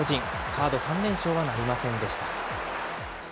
カード３連勝はなりませんでした。